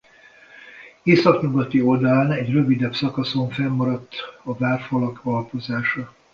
Északnyugati oldalán egy rövidebb szakaszon fennmaradt a várfalak alapozása.